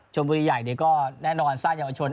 บุรีใหญ่ก็แน่นอนสร้างเยาวชน